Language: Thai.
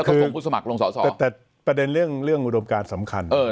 เขาคงผู้สมัครลงสอสอแต่ประเด็นเรื่องอุดมการสำคัญ